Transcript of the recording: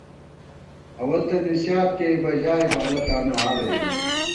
اول تہ نِسیات کېئیبہ ژائےبالہ تانُو حالہ ژَمان